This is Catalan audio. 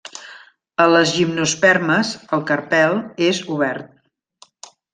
A les gimnospermes, el carpel és obert.